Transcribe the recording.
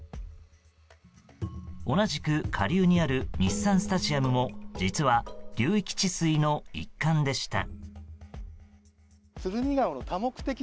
同じく下流にある日産スタジアムも実は流域治水の一環でした。